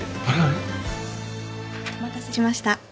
お待たせしました。